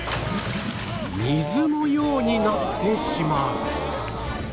水のようになってしまう